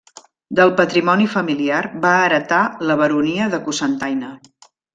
Del patrimoni familiar va heretar la baronia de Cocentaina.